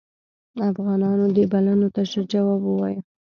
افغانانو دې بلنو ته ژر جواب ووایه.